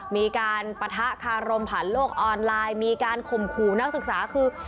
ปะทะคารมผ่านโลกออนไลน์มีการข่มขู่นักศึกษาคือ